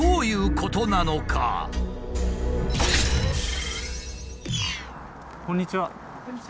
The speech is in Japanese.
こんにちは。